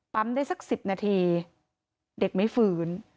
ได้สัก๑๐นาทีเด็กไม่ฟื้น